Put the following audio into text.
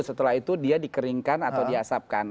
setelah itu dia dikeringkan atau diasapkan